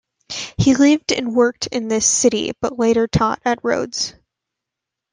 He lived and worked in this city but later taught at Rhodes.